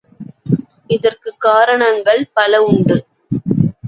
இதற்குக் காரணங்கள் பல உண்டு.